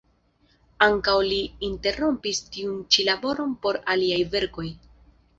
Ankaŭ li interrompis tiun ĉi laboron por aliaj verkoj.